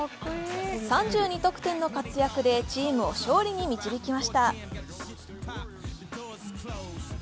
３２得点の活躍でチームを勝利に導きました。